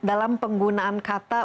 dalam penggunaan kata